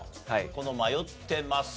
この「マヨってます」。